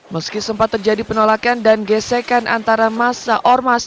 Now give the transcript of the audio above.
meski sempat terjadi penolakan dan gesekan antara masa ormas